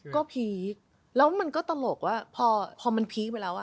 ก็พีคแล้วมันก็ตลกว่าพอมันพีคไปแล้วอ่ะ